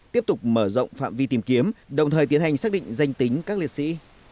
tiếp tục mở rộng phạm vi tìm kiếm đồng thời tiến hành xác định danh tính các liệt sĩ